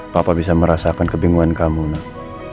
papa bisa merasakan kebingungan kamu nak